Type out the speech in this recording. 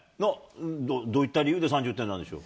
どういった理由で３０点なんでしょう？